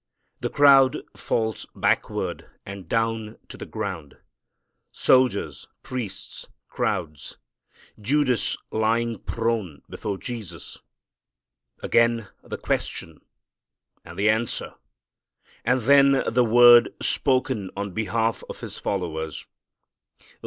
The crowd falls backward and down to the ground. Soldiers, priests, crowds, Judas lying prone before Jesus! Again the question and the answer, and then the word spoken on behalf of His followers.